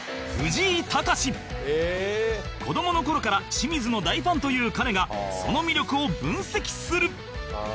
子どもの頃から清水の大ファンという彼がその魅力を分析する